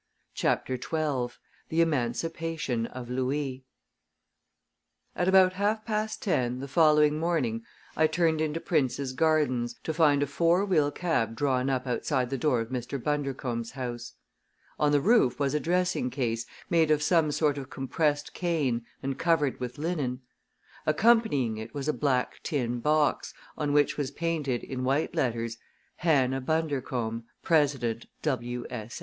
CHAPTER XII THE EMANCIPATION OF LOUIS At about half past ten the following morning I turned into Prince's Gardens, to find a four wheel cab drawn up outside the door of Mr. Bundercombe's house. On the roof was a dressing case made of some sort of compressed cane and covered with linen. Accompanying it was a black tin box, on which was painted, in white letters: "Hannah Bundercombe, President W.S.